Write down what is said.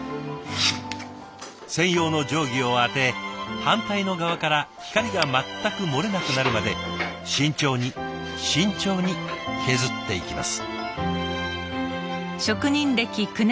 専用の定規を当て反対の側から光が全く漏れなくなるまで慎重に慎重に削っていきます。